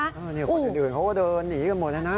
คนเดินเขาก็เดินหนีกันหมดเลยนะ